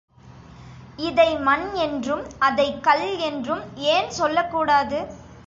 இதை மண் என்றும், அதைக் கல் என்றும் ஏன் சொல்லக்கூடாது?